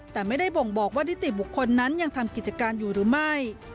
แต่ไม่ได้บ่งบอกว่านิติบุคคลนั้นยังทำกิจการอยู่หรือไม่